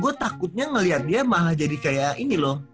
gue takutnya ngeliat dia mah jadi kayak ini loh